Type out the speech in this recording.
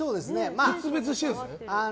決別してるんですね。